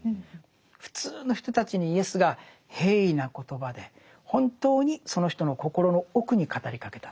普通の人たちにイエスが平易な言葉で本当にその人の心の奥に語りかけた。